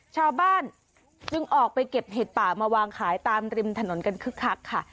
ชาวบ้านจึงออกไปเก็บเห็ดป่ามาวางขายตามริมถนนกันคึกคักค่ะ